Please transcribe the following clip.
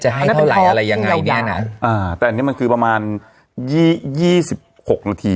ให้เท่าไหร่อะไรยังไงเนี่ยนะอ่าแต่อันนี้มันคือประมาณยี่ยี่สิบหกนาที